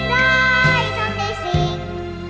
ได้ทำได้สิ่ง